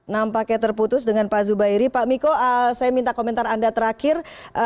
nampaknya terputus dengan pak zubairi pak miko saya minta komentar anda terakhir